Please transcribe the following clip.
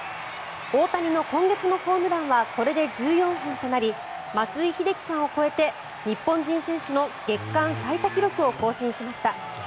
大谷の今月のホームランはこれで１４本となり松井秀喜さんを超えて日本人選手の月間最多記録を更新しました。